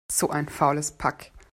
So ein faules Pack!